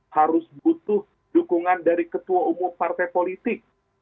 harus butuh dukungan dari ketua umum partai politik